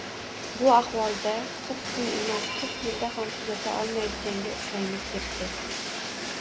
Bu ahvolda qirq kunda emas, qirq yilda ham tuzata olmaydiganga o‘xshaymiz, debdi